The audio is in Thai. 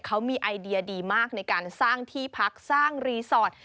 เขามีไอเดียดีมากในการสร้างที่พักสร้างรีสอร์ท